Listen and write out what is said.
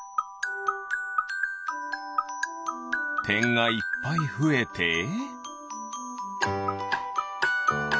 てんがいっぱいふえて。